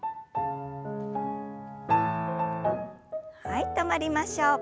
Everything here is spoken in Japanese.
はい止まりましょう。